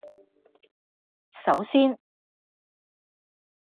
首先